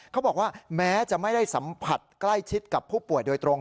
เขาบอกว่าแม้จะไม่ได้สัมผัสใกล้ชิดกับผู้ป่วยโดยตรง